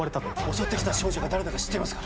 襲って来た少女が誰だか知っていますか？